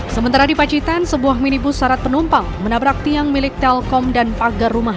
sementara di pacitan sebuah minibus syarat penumpang menabrak tiang milik telkom dan pagar rumah